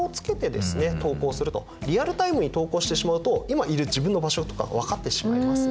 リアルタイムに投稿してしまうと今いる自分の場所とか分かってしまいますので。